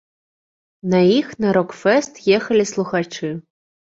На іх на рок-фэст ехалі слухачы.